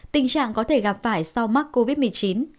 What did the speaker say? tình trạng có thể gặp phải sau mắc covid một mươi chín